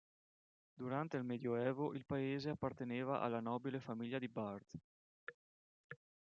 Durante il medioevo il paese apparteneva alla nobile famiglia di Bard.